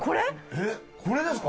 えっこれですか？